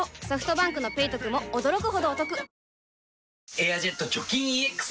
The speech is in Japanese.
「エアジェット除菌ＥＸ」